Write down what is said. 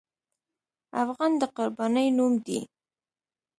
افغان د قربانۍ نوم دی.